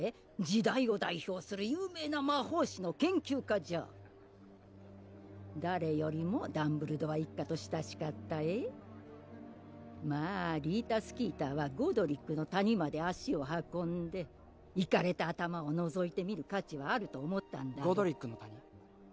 時代を代表する有名な魔法史の研究家じゃ誰よりもダンブルドア一家と親しかったぇまあリータ・スキーターはゴドリックの谷まで足を運んでいかれた頭をのぞいてみる価値はあると思ったんだねゴドリックの谷？